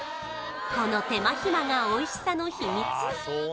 この手間暇がおいしさの秘密